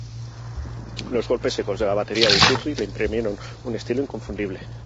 Los golpes secos de la batería de Iturri le imprimieron un estilo inconfundible.